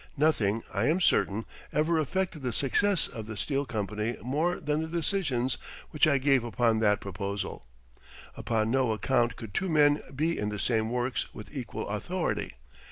Nothing, I am certain, ever affected the success of the steel company more than the decision which I gave upon that proposal. Upon no account could two men be in the same works with equal authority.